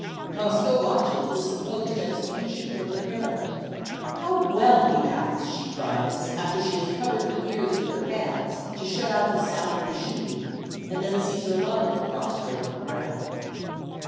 Tosca watches the supposed execution from the parapet. "How well he acts!" she cries, after she has covered her ears with her hands to shut out the sound of the shooting, and then sees her lover prostrate on the ground.